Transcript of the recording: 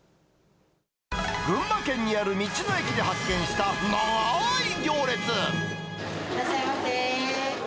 群馬県にある道の駅で発見した、いらっしゃいませ。